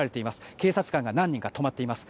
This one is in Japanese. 警察官が何人か止まっています。